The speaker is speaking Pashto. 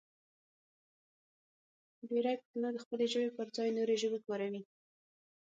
ډېری پښتانه د خپلې ژبې پر ځای نورې ژبې کاروي.